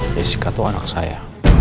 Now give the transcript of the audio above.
jessica itu anak saya